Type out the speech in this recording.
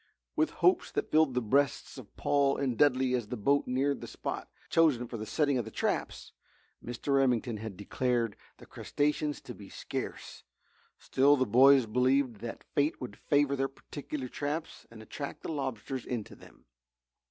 What hopes filled the breasts of Paul and Dudley as the boat neared the spot chosen for the setting of the traps! Mr. Remington had declared the crustaceans to be scarce, still the boys believed that Fate would favour their particular traps and attract the lobsters into them.